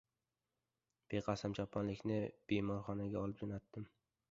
Beqasam choponlikni bemorxonaga olib jo‘nadim.